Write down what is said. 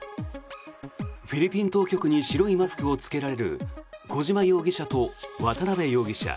フィリピン当局に白いマスクを着けられる小島容疑者と渡邉容疑者。